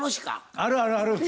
あるあるある。